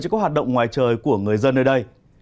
cho các hoạt động ngoài trời của người dân nơi đây